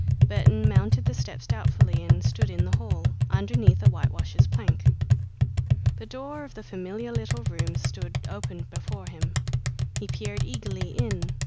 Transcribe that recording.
Burton mounted the steps doubtfully and stood in the hall, underneath a whitewasher's plank. The door of the familiar little room stood open before him. He peered eagerly in.